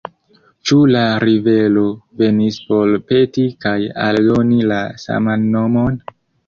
Ĉu la rivero venis por peti kaj aldoni la saman nomon?